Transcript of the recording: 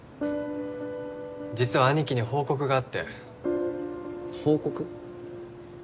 実は兄貴に報告があって報告？